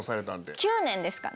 ９年ですかね。